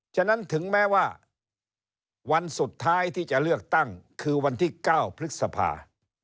ฉะนั้นถึงแม้ว่าวันสุดท้ายที่จะเลือกตั้งคือวันที่๙พฤษภา